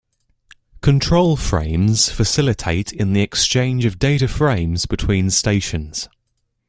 Control frames facilitate in the exchange of data frames between stations.